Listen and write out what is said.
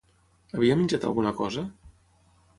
Havia menjat alguna cosa?